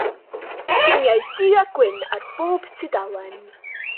Lluniau du-a-gwyn ar bob tudalen.